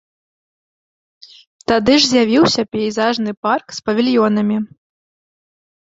Тады ж з'явіўся пейзажны парк з павільёнамі.